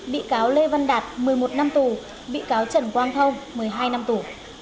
bị cáo lê văn đạt một mươi một năm tù bị cáo trần quang thông một mươi hai năm tù